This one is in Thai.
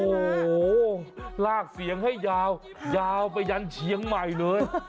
โอ้โหลากเสียงให้ยาวยาวไปยันเชียงใหม่เลย